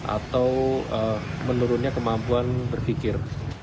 atau menurunnya kemampuan berpikir